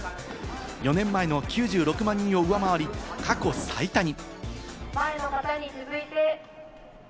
４年前の９６万人を上回り、過去最多に。